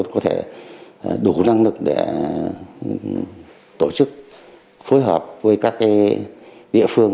có thể đủ năng lực để tổ chức phối hợp với các địa phương